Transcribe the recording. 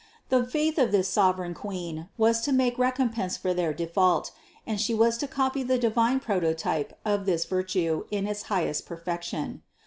The faith of this sovereign Queen was to make recompense for their default and She was to copy the divine prototype of this virtue in its high est perfection.